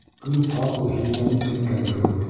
Көн ҡапыл һилләнеп киткән кеүек.